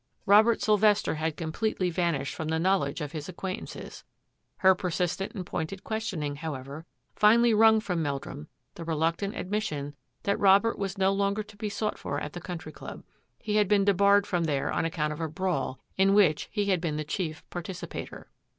Robert Sylvester had completely vanished from the knowledge of his acquaintances. Her persistent and pointed ques tioningy however, finally wrung from Meldrum the reluctant admission that Robert was no longer to be sought for at the Country Club; he had been debarred from there on account of a brawl in which he had been chief participator.